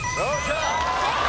正解。